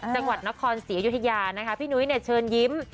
จังหวัดนครศรีอยุธยานะคะพี่นุ้ยเนี่ยเชิญยิ้ม